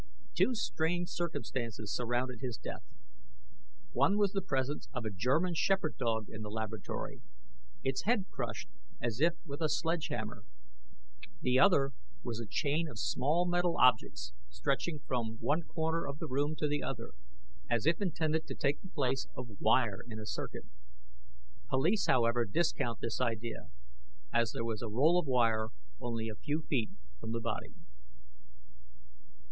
Two strange circumstances surrounded his death. One was the presence of a German shepherd dog in the laboratory, its head crushed as if with a sledgehammer. The other was a chain of small metal objects stretching from one corner of the room to the other, as if intended to take the place of wire in a circuit. Police, however, discount this idea, as there was a roll of wire only a few feet from the body.